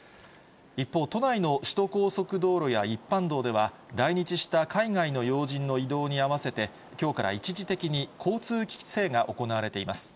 一方、都内の首都高速道路や一般道では、来日した海外の要人の移動に合わせて、きょうから一時的に交通規制が行われています。